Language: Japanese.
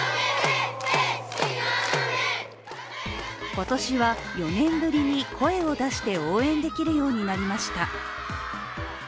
今年は４年ぶりに声を出して応援できるようになりました。